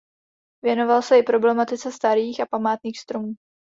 Věnoval se i problematice starých a památných stromů.